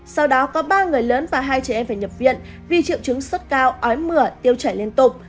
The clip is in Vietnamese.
sau đó có ba người lớn và hai trẻ em phải nhập viện vì triệu chứng sốt cao ói mửa tiêu chảy liên tục